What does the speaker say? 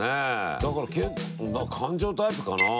だから感情タイプかな。